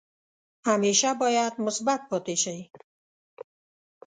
همیشه باید مثبت پاتې شئ.